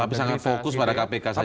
tapi sangat fokus pada kpk saja